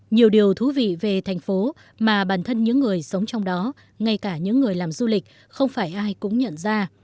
nhiều điều thú vị về thành phố mà bản thân những người sống trong đó ngay cả những người làm du lịch không phải ai cũng nhận ra